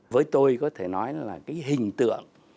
với tôi có thể nói là cái hình tượng